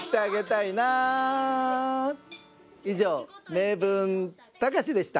「名文たかし」でした。